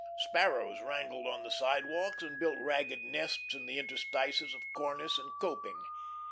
Sparrows wrangled on the sidewalks and built ragged nests in the interstices of cornice and coping.